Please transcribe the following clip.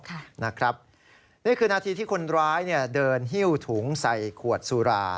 ค่ะนะครับนี่คือนาทีที่คนร้ายเดินฮิ้วถุงใส่ขวดสุรา